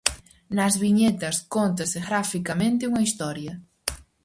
Nas viñetas cóntase graficamente unha historia.